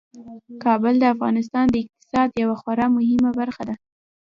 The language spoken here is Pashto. کابل د افغانستان د اقتصاد یوه خورا مهمه برخه ده.